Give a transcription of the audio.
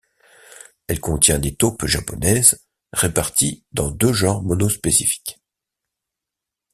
Elle contient des taupes japonaises réparties dans deux genres monospécifiques.